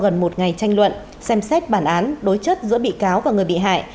ngày tranh luận xem xét bản án đối chất giữa bị cáo và người bị hại